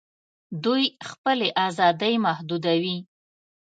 دوی خپلي آزادۍ محدودوي